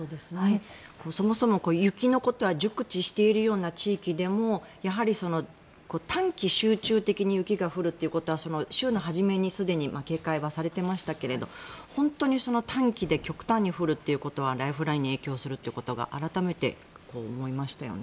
そもそも雪のことは熟知しているような地域でもやはり短期集中的に雪が降るということは週の初めにすでに警戒はされてましたけど本当に短期で極端に降るということはライフラインに影響するということが改めて思いましたよね。